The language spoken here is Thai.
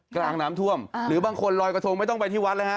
กลางน้ำท่วมหรือบางคนลอยกระทงไม่ต้องไปที่วัดเลยฮะ